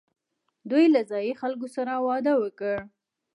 دوی له ځايي خلکو سره واده وکړ